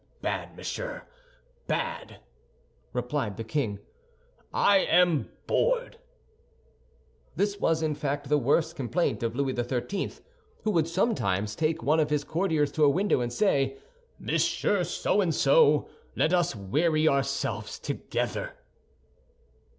"Bad, monsieur, bad!" replied the king; "I am bored." This was, in fact, the worst complaint of Louis XIII., who would sometimes take one of his courtiers to a window and say, "Monsieur So and so, let us weary ourselves together."